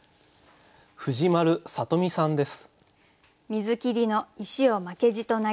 藤丸智美さんです。